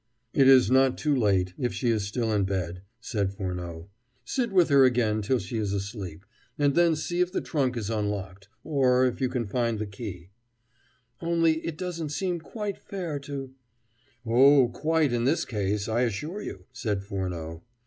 "It is not too late, if she is still in bed," said Furneaux. "Sit with her again till she is asleep, and then see if the trunk is unlocked, or if you can find the key " "Only it doesn't seem quite fair to " "Oh, quite, in this case, I assure you," said Furneaux.